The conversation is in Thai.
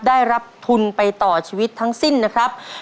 ได้รับทุนไปต่อชีวิตทั้งสิ้นนะครับ